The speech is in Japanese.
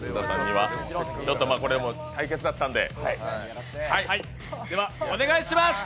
これも対決だったんで。